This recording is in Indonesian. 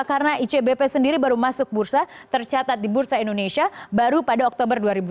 karena icbp sendiri baru masuk bursa tercatat di bursa indonesia baru pada oktober dua ribu sepuluh